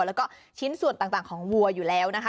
แล้วก็ชิ้นส่วนต่างของวัวอยู่แล้วนะคะ